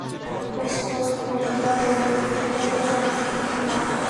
খোঁজ খোঁজ করিয়া বন্দুক জুটিল তো চকমকি জুটিল না।